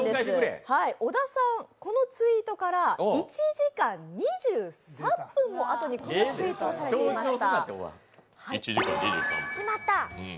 小田さん、このツイートから１時間２３分もあとにこのツイートされていました。